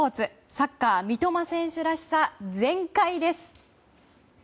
サッカー三笘選手らしさ全開です。